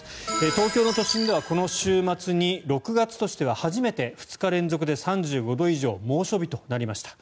東京の都心ではこの週末に６月としては初めて２日連続で３５度以上猛暑日となりました。